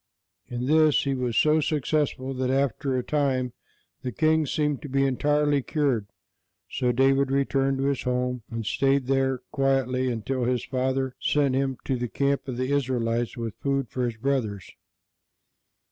In this he was so successful that after a time the king seemed to be entirely cured; so David returned to his home, and staid there quietly until his father sent him to the camp of the Israelites, with food for his brothers.